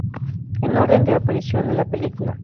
En orden de aparición en la película.